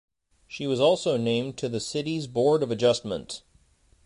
She was also named to the City's Board of Adjustment.